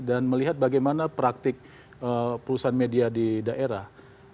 dan melihat bagaimana praktik perusahaan media di daerah